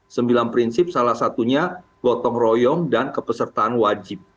sembilan prinsip salah satunya gotong royong dan kepesertaan wajib